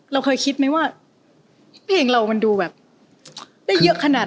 เราเคยคิดไหมว่าเพลงเรามันดูแบบได้เยอะขนาด